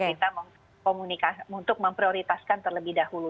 kita memprioritaskan terlebih dahulu